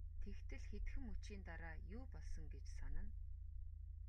Тэгтэл хэдхэн мөчийн дараа юу болсон гэж санана.